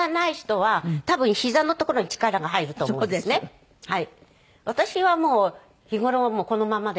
はい。